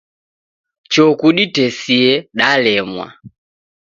Choo kuditesie, dalemwa